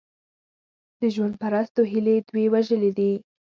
د ژوند پرستو هیلې دوی وژلي دي.